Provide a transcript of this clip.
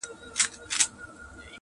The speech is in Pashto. هغه شاعر هېر که چي نظمونه یې لیکل درته -